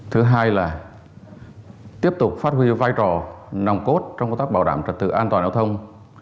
thứ hai là tiếp tục phát huy vai trò nòng cốt trong công tác bảo đảm trật tự an toàn giao thông